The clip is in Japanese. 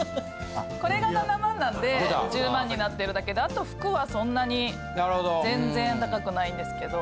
これが７万なんで１０万になってるだけであと服はそんなに全然高くないんですけど。